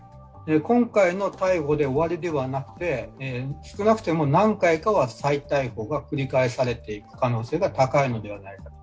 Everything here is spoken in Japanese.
今回の逮捕で終わりではなくて少なくとも何回かは再逮捕が繰り返される可能性が高いのではないかと。